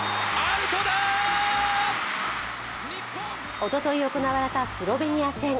おととい行われたスロベニア戦。